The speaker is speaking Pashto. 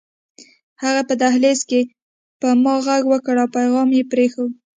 هغې په دهلېز کې په ما غږ وکړ او پيغام يې پرېښود